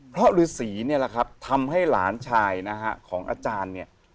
เพราะฤษีเนี่ยแหละครับทำให้หลานชายนะฮะของอาจารย์เนี่ย